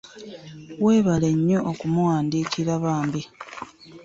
Weebale nnyo okumuwandiikira bambi.